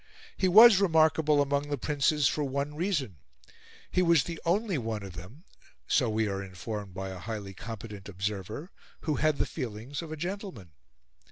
He was remarkable among the princes for one reason: he was the only one of them so we are informed by a highly competent observer who had the feelings of a gentleman.